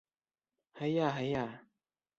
Һыя, һыя.